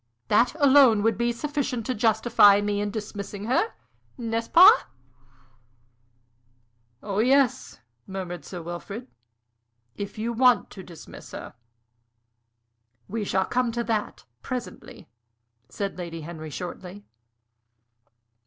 That alone would be sufficient to justify me in dismissing her. N'est ce pas?" "Oh yes," murmured Sir Wilfrid, "if you want to dismiss her." "We shall come to that presently," said Lady Henry, shortly.